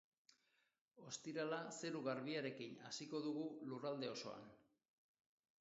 Ostirala zeru garbiarekin hasiko dugu lurralde osoan.